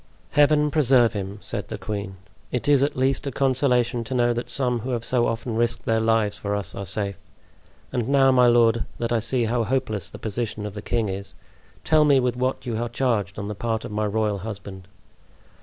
"Heaven preserve him!" said the queen. "It is at least a consolation to know that some who have so often risked their lives for us are safe. And now, my lord, that I see how hopeless the position of the king is, tell me with what you are charged on the part of my royal husband."